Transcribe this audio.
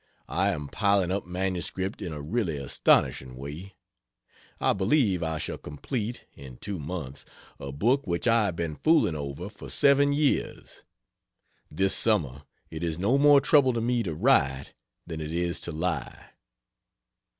I am piling up manuscript in a really astonishing way. I believe I shall complete, in two months, a book which I have been fooling over for 7 years. This summer it is no more trouble to me to write than it is to lie.